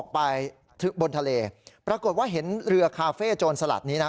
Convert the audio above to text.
ปรากฏว่าเห็นเรือคาเฟ่โจรสลัดนี้นะ